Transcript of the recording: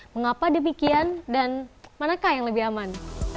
mengapa demikian dan manakah yang lebih aman